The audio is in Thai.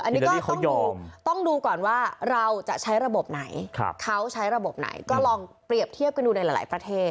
อันนี้ก็ต้องดูต้องดูก่อนว่าเราจะใช้ระบบไหนเขาใช้ระบบไหนก็ลองเปรียบเทียบกันดูในหลายประเทศ